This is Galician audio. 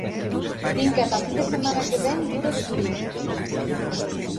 Din que ata a fin de semana que vén duro de frío.